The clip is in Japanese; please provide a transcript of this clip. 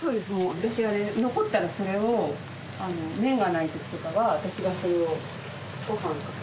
私残ったらそれを麺がないときとかは私はそれをご飯かけて。